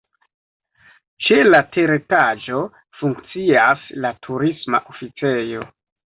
Ĉe la teretaĝo funkcias la Turisma Oficejo.